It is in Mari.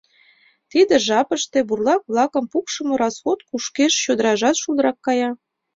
Тиде жапыште бурлак-влакым пукшымо расход кушкеш чодыражат шулдырак кая.